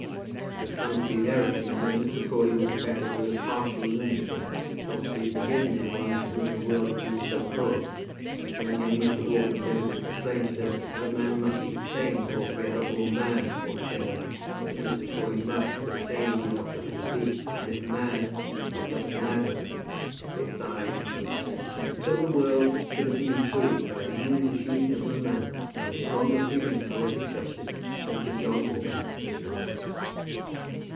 It had come to be their opinion that Mr. Crawley was affected with a partial lunacy, which ought to be forgiven in one to whom the world had been so cruel; and when young Mr. Walker endeavoured to explain to them that a man must be sane altogether or mad altogether, and that Mr. Crawley must, if sane, be locked up as a thief, and if mad, locked up as a madman, they sighed, and were convinced that until the world should have been improved by a new infusion of romance, and a stronger feeling of poetic justice, Mr. John Walker was right.